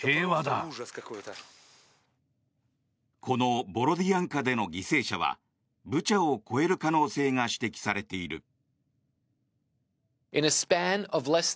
このボロディアンカでの犠牲者はブチャを超える可能性が指摘されている。